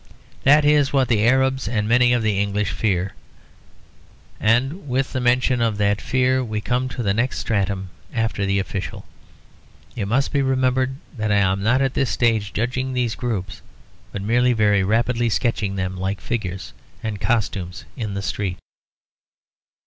That is what the Arabs and many of the English fear; and with the mention of that fear we come to the next stratum after the official. It must be remembered that I am not at this stage judging these groups, but merely very rapidly sketching them, like figures and costumes in the street.